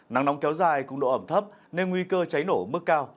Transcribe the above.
nắng nóng kéo dài cung độ ẩm thấp nên nguy cơ cháy nổ mức cao